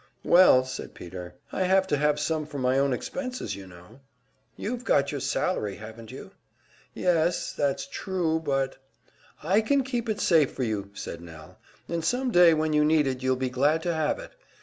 "Well," said Peter, "I have to have some for my own expenses, you know." "You've got your salary, haven't you?" "Yes, that's true, but " "I can keep it safe for you," said Nell, "and some day when you need it you'll be glad to have it.